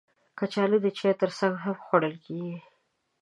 کچالو د چای ترڅنګ هم خوړل کېږي